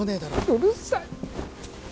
うるさい